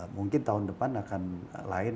mungkin tahun depan akan lain